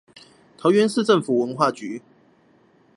桃園市政府文化局